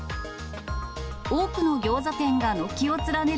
多くのギョーザ店が軒を連ねる